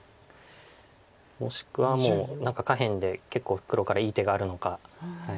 もしくはもう何か下辺で結構黒からいい手があるのか。